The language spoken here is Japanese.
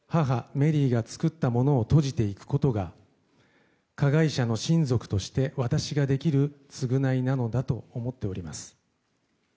メリーが作ったものを閉じていくことが加害者の親族として私ができる償いなのだと思っております。